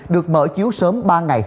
được mở chiếu sớm ba ngày